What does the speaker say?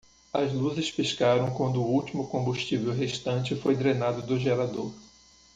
As luzes piscaram quando o último combustível restante foi drenado do gerador.